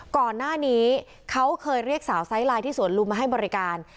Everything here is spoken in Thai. ก่อนหน้านี้เขาเคยเรียกสาวไซส์ไลน์ที่สวนลุมมาให้บริการ